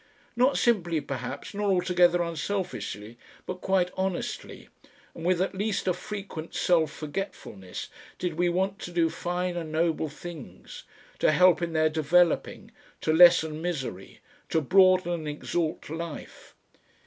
Not simply perhaps nor altogether unselfishly, but quite honestly, and with at least a frequent self forgetfulness, did we want to do fine and noble things, to help in their developing, to lessen misery, to broaden and exalt life.